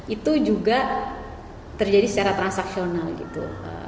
itu juga terjadi secara transaksional gitu